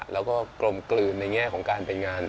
แล้วก็กลมกลืนในแง่ของการเป็นงาน